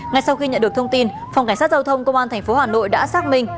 ngay sau khi nhận được thông tin phòng cảnh sát giao thông công an tp hà nội đã xác minh